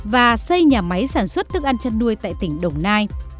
và xây nhà máy sản xuất thức ăn chăn nuôi tại tỉnh đồng nai